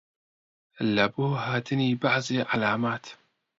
لەبۆ هاتنی بەعزێ عەلامات